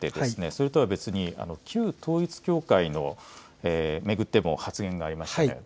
それとは別に、旧統一教会を巡っても発言がありましたよね。